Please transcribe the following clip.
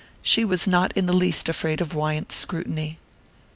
She was not in the least afraid of Wyant's scrutiny.